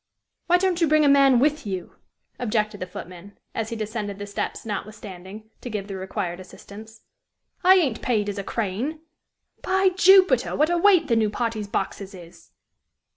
"Why don't you bring a man with you?" objected the footman, as he descended the steps notwithstanding, to give the required assistance. "I ain't paid as a crane. By Juppiter! what a weight the new party's boxes is!"